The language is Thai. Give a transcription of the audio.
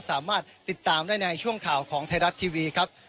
สามารถติดตามได้ในช่วงข่าวของไทยรัฐทีวีครับ